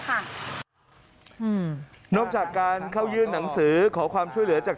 อืมนอกจากการเข้ายื่นหนังสือขอความช่วยเหลือจาก